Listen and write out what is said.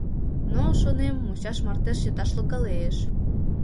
Но, шонем, мучаш марте чыташ логалеш.